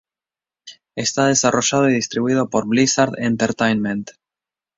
Está desarrollado y distribuido por Blizzard Entertainment.